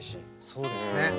そうですね。